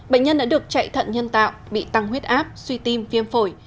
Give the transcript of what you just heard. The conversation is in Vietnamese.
bệnh nhân đã được chạy thận nhân tạo bị tăng huyết áp suy tim phiêm phổi